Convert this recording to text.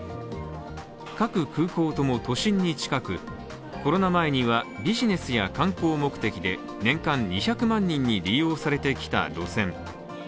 各空港とも都心に近く、コロナ前にはビジネスや観光目的で年間２００万人に利用されてきた路線。